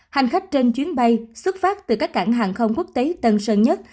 hành khách trên chuyến bay xuất phát từ các cảng hàng không quốc tế tân sơn nhất